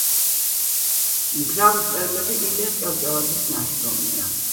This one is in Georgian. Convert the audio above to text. "მგზავრის წერილები"ილია ჭავჭავაძის ნაშრომია